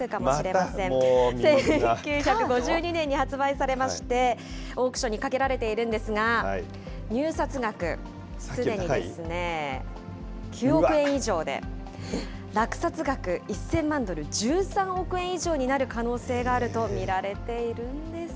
１９５２年に発売されまして、オークションにかけられているんですが、入札額すでにですね、９億円以上で、落札額、１０００万ドル、１３億円以上になる可能性があると見られているんです。